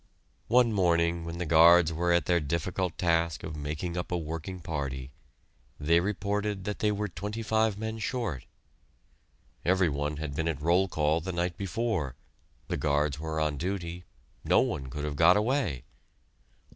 One morning when the guards were at their difficult task of making up a working party, they reported that they were twenty five men short. Every one had been at roll call the night before, the guards were on duty, no one could have got away.